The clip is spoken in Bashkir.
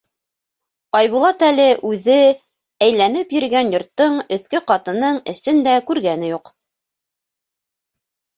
Айбулат әле үҙе әйләнеп йөрөгән йорттоң өҫкө ҡатының эсен дә күргәне юҡ.